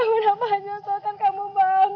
ibu udah lama gak punya banyak saat kamu bangun